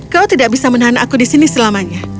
kau tidak bisa menahan aku di sini selamanya